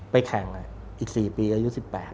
แข่งอีก๔ปีอายุ๑๘